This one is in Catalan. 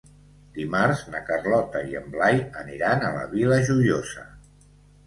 Dimarts na Carlota i en Blai aniran a la Vila Joiosa.